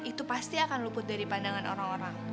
itu pasti akan luput dari pandangan orang orang